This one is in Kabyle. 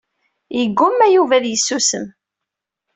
Yegguma Yuba ad yessusem.